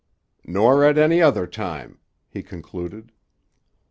"Nor at any other time," he concluded.